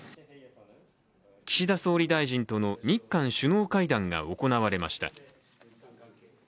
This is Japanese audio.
岸田総理大臣との日韓首脳会談が行われました。